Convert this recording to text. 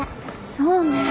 そうねえ。